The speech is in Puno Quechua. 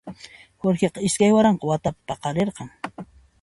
Jorgeqa iskay waranqayuq watapi paqarirqan.